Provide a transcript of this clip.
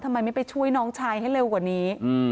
ทำไมไม่ไปช่วยน้องชายให้เร็วกว่านี้